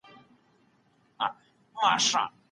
د زيږون کنټرول اکثره غربي ملتونه په غم واړول.